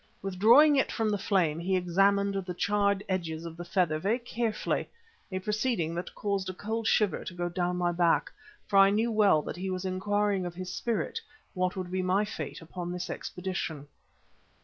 Withdrawing it from the flame he examined the charred edges of the feather very carefully, a proceeding that caused a cold shiver to go down my back, for I knew well that he was inquiring of his "Spirit" what would be my fate upon this expedition.